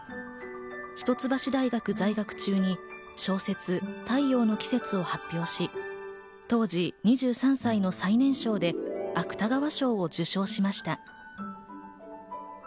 一橋大学在学中に小説『太陽の季節』を発表し、当時２３歳の最年少で芥川賞を受賞しました。